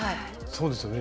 そうですよね。